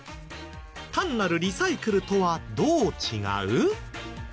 単なるリサイクルとはどう違う？